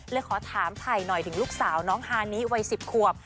ขอถามถ่ายหน่อยถึงลูกสาวน้องฮานิวัย๑๐ขวบ